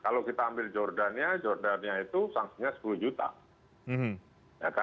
kalau kita ambil jordania jordania itu sanksinya rp sepuluh